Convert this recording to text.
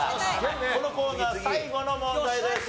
このコーナー最後の問題です。